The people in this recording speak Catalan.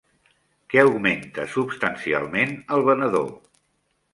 Què augmenta substancialment el venedor?